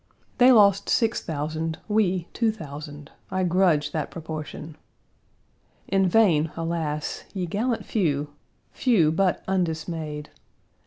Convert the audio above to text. They lost six thousand, we two thousand; I grudge that proportion. In vain, alas! ye gallant few few, but undismayed.